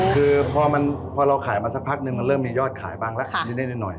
คือพอเราขายมาสักพักนึงมันเริ่มมียอดขายบ้างละนิดหน่อย